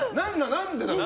何でだろう。